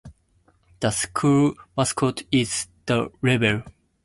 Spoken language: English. The school mascot is the Rebel.